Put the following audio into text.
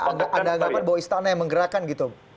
ada anggapan bahwa istana yang menggerakkan gitu